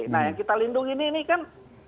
nah yang kita lindungi ini ini kan